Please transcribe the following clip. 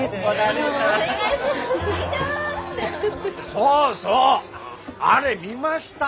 そうそうあれ見ました？